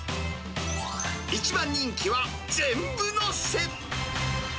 一番人気は、全部のせ。